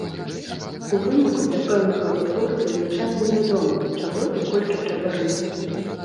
У выніку для пэўнага вытворцы звычайна невядома, чаго і колькі трэба рынку.